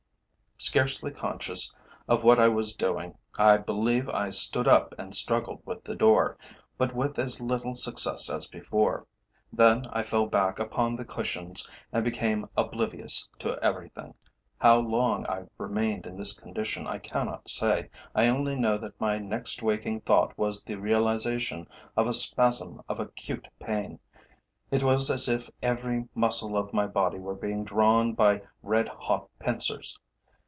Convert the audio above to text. Scarcely conscious of what I was doing, I believe I stood up and struggled with the door, but with as little success as before. Then I fell back upon the cushions and became oblivious to everything. How long I remained in this condition I cannot say; I only know that my next waking thought was the realisation of a spasm of acute pain. It was as if every muscle of my body were being drawn by red hot pincers.